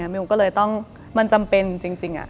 มิวก็เลยต้องมันจำเป็นจริง